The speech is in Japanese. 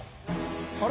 あれ？